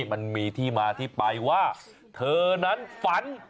มันมีที่มาที่ไปว่าเธอนั้นฝัน